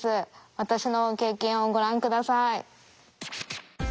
私の経験をご覧下さい。